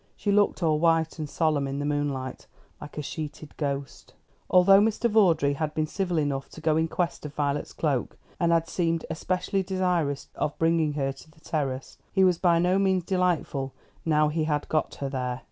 She looked all white and solemn in the moonlight, like a sheeted ghost. Although Mr. Vawdrey had been civil enough to go in quest of Violet's cloak, and had seemed especially desirous of bringing her to the terrace, he was by no means delightful now he had got her there.